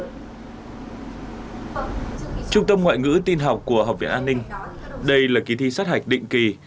trung tâm ngoại ngữ tin học của học viện an ninh đây là kỳ thi sát hạch định kỳ